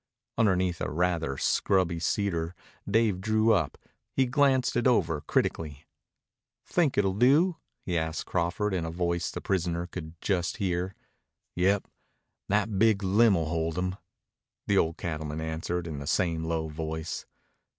Underneath a rather scrubby cedar Dave drew up. He glanced it over critically. "Think it'll do?" he asked Crawford in a voice the prisoner could just hear. "Yep. That big limb'll hold him," the old cattleman answered in the same low voice.